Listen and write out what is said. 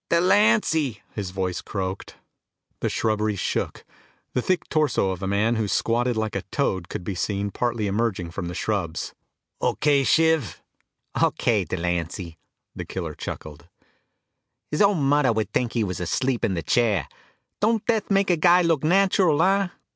"Delancy," his voice croaked. The shrubbery shook. The thick torso of a man who squatted like a toad could be seen partly emerging from the shrubs. "Okay, Shiv?" "Okay, Delancy," the killer chuckled. "His own mudder would t'ink he was asleep in the chair. Don't death make a guy look natural, huh?"